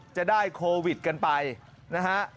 จะได้โควิดกันไปนะฮะ